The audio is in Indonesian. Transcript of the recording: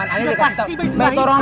aneh udah pasti baitur rahim